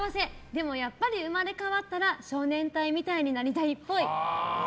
でもやっぱり生まれ変わったら少年隊みたいになりたいっぽい。